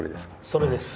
それです。